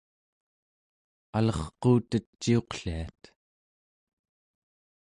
alerquutet ciuqliat